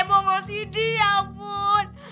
monggol tidih ya ampun